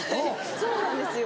そうなんですよ。